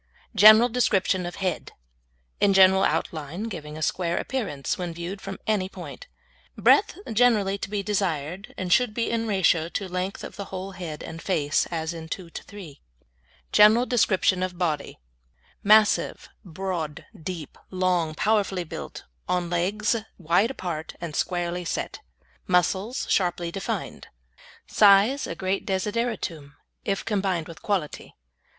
GENERAL DESCRIPTION OF HEAD In general outline, giving a square appearance when viewed from any point. Breadth greatly to be desired, and should be in ratio to length of the whole head and face as 2 to 3. GENERAL DESCRIPTION OF BODY Massive, broad, deep, long, powerfully built, on legs wide apart, and squarely set. Muscles sharply defined. Size a great desideratum, if combined with quality.